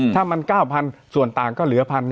ถ้ามัน๙๐๐ส่วนต่างก็เหลือ๑๑๐๐